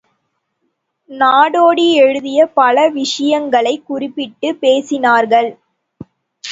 நாடோடி எழுதிய பல விஷயங்களைக் குறிப்பிட்டுப் பேசினார்கள்.